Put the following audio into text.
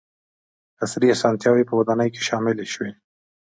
• عصري اسانتیاوې په ودانیو کې شاملې شوې.